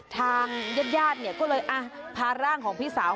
ทางญาติญาติก็เลยพาร่างของพี่สาว